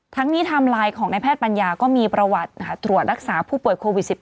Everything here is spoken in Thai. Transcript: ทั้งนี้ไทม์ไลน์ของนายแพทย์ปัญญาก็มีประวัติตรวจรักษาผู้ป่วยโควิด๑๙